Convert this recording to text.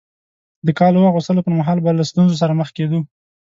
د کالو اغوستلو پر مهال به له ستونزو سره مخ کېدو.